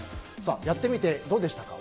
やってみてどうでしたか？